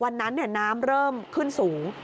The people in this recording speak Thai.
วันนั้นน้ำเริ่มขึ้นสูง